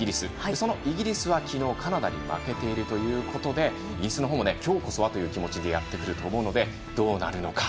そのイギリスは昨日、カナダに負けているということでイギリスのほうは今日こそはという気持ちでやってくると思うのでどうなるのか。